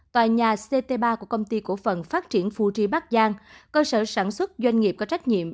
tòa nhà ct ba của công ty cổ phần phát triển phu trì bắc giang cơ sở sản xuất doanh nghiệp có trách nhiệm